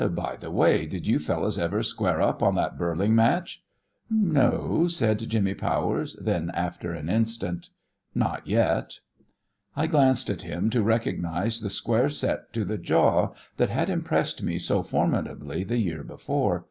"By the way, did you fellows ever square up on that birling match?" "No," said Jimmy Powers; then after an instant, "Not yet." I glanced at him to recognise the square set to the jaw that had impressed me so formidably the year before.